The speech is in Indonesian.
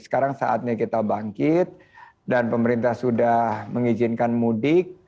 sekarang saatnya kita bangkit dan pemerintah sudah mengizinkan mudik